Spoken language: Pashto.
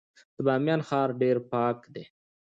د بامیان ښار ډیر پاک دی